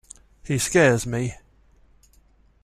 He scares me.